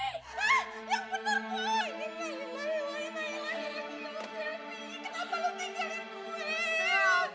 hah yang bener pok